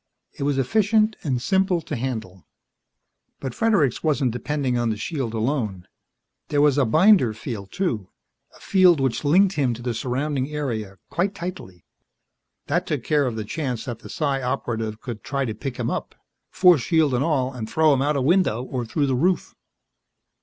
It was efficient and simple to handle. But Fredericks wasn't depending on the shield alone. There was a binder field, too a field which linked him to the surrounding area, quite tightly. That took care of the chance that the Psi Operative would try to pick him up, force shield and all, and throw him out a window or through the roof.